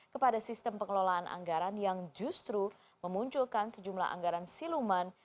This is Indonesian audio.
kepada sistem pengelolaan anggaran yang justru memunculkan sejumlah anggaran siluman